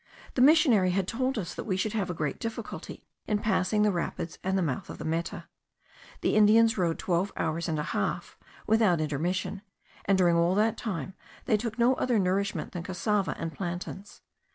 The missionary had told us that we should have great difficulty in passing the rapids and the mouth of the Meta. The Indians rowed twelve hours and a half without intermission, and during all that time, they took no other nourishment than cassava and plantains.